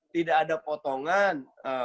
tidak ada potongan